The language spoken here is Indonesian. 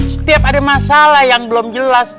setiap ada masalah yang belum jelas